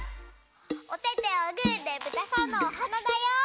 おててをグーでぶたさんのおはなだよ。